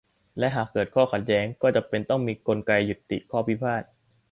และหากเกิดข้อขัดแย้ง ก็จำเป็นต้องมีกลไกยุติข้อพิพาท